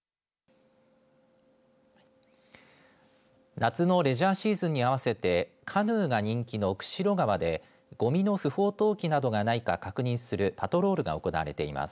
夏のレジャーシーズンに合わせてカヌーが人気の釧路川でごみの不法投棄などがないか確認するパトロールが行われています。